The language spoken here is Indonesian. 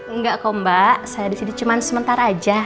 enggak kok mbak saya disini cuman sementara aja